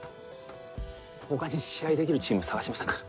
他に試合できるチーム探しませんか？